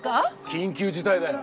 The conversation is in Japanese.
緊急事態だよ！